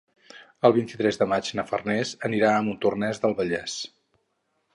El vint-i-tres de maig na Farners anirà a Montornès del Vallès.